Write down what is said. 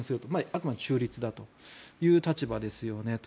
あくまで中立だという立場ですよね。